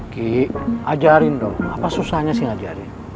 ki ajarin dong apa susahnya sih ngajarin